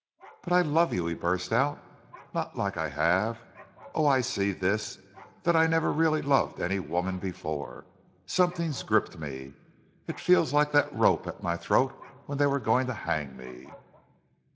"But I love you," he burst out. "Not like I have. Oh! I see this that I never really loved any woman before. Something's gripped me. It feels like that rope at my throat when they were going to hang me."